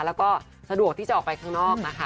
แล้วก็สะดวกที่จะออกไปข้างนอกนะคะ